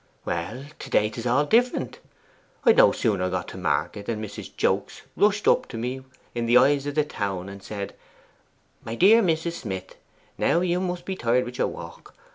'Well, to day 'tis all different. I'd no sooner got to market than Mrs. Joakes rushed up to me in the eyes of the town and said, "My dear Mrs. Smith, now you must be tired with your walk!